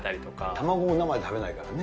たまごも生で食べないからね。